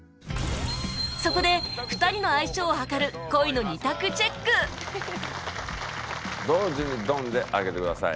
そこで２人の相性を量る恋の２択チェック同時にドンで上げてください。